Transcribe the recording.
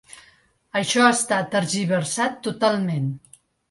Això està tergiversat totalment.